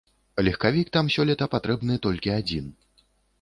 Легкавік там сёлета патрэбны толькі адзін.